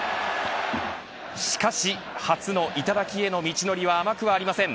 しかし、初の頂への道のりは甘くはありません。